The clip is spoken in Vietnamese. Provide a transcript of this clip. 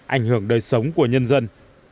ảnh hưởng đời sống của nhân dân